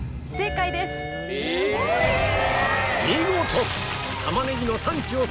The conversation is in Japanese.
見事！